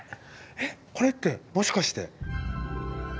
えっこれってもしかして。